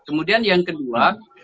kemudian yang kedua